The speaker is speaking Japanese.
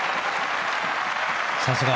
さすが。